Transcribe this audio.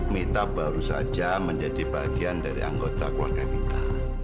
mita baru saja menjadi bagian dari anggota keluarga kita